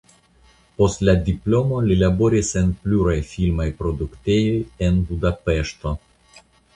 Post la diplomo li laboris en pluraj filmaj produktejoj en Budapeŝto.